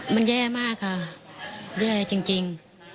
มันแย่มากค่ะแย่จริง